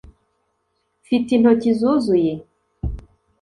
mfite intoki zuzuye?